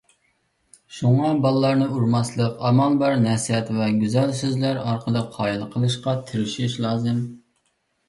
شۇڭا بالىلارنى ئۇرماسلىق، ئامال بار نەسىھەت ۋە گۈزەل سۆزلەر ئارقىلىق قايىل قىلىشقا تىرىشىش لازىم.